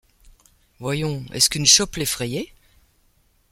Voyons, est-ce qu’une chope l’effrayait ?